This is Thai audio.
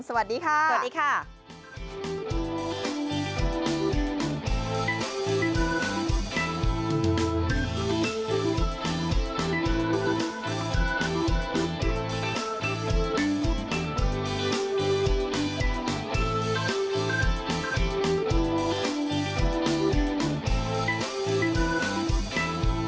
สวัสดีค่ะสวัสดีค่ะสวัสดีค่ะ